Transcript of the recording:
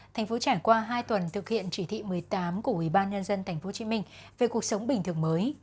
thành phố trải qua hai tuần thực hiện chỉ thị một mươi tám của ubnd tp hcm về cuộc sống bình thường mới